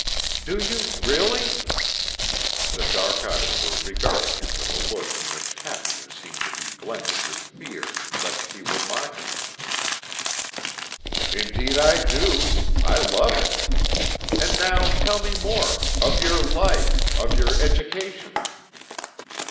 "Do you really?" The dark eyes were regarding him with a look in which happiness seemed to be blended with fear lest he were mocking her. "Indeed I do! I love it. And now tell me more of your life of your education."